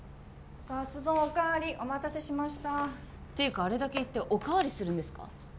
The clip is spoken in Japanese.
カツ丼おかわりお待たせしましたっていうかあれだけ言っておかわりするんですか？